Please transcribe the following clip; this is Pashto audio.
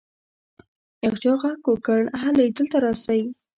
يو چا ږغ وکړ هلئ دلته راسئ.